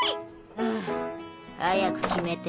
はぁ早く決めて。